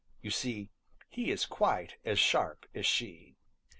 You see, he is quite as sharp as she.